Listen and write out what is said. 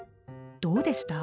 どうでした？